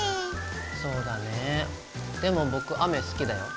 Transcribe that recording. そうだねでも僕雨好きだよ。